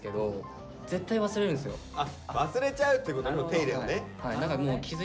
あ忘れちゃうってことね手入れをね。